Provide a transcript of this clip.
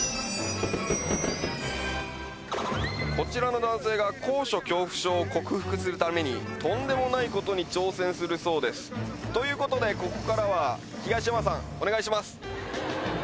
こちらの男性が高所恐怖症を克服するためにとんでもないことに挑戦するそうですということでここからは東山さんお願いします